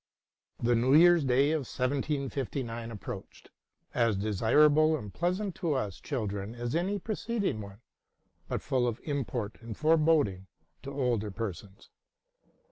The New Year's Day of 1759 approached, as desirable and pleasant to us children as any preceding one, but full of import and foreboding to older persons.